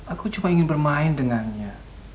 aku cuma ingin bermain dengannya